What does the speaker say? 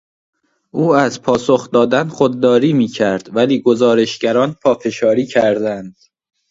او از پاسخ دادن خودداری میکرد ولی گزارشگران پافشاری کردند.